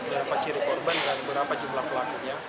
berapa ciri korban dan berapa jumlah pelakunya